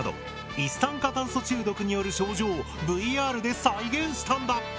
一酸化炭素中毒による症状をＶＲで再現したんだ。